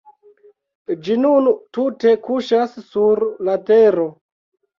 Ĝi nun tute kuŝas sur la tero.